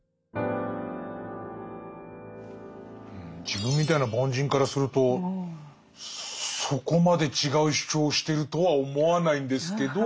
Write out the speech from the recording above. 自分みたいな凡人からするとそこまで違う主張をしてるとは思わないんですけど。